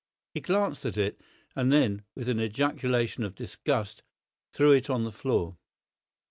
He glanced at it, and then, with an ejaculation of disgust, threw it on the floor.